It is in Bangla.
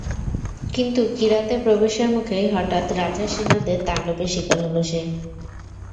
কিন্তু কিরাতে প্রবেশের মুখেই হঠাৎ রাজার সেনাদের তাণ্ডবের শিকার হলো সে।